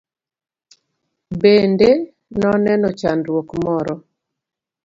Bende noneno chandruok moro?